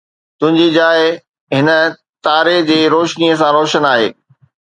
تنهنجي جاءِ هن تاري جي روشنيءَ سان روشن آهي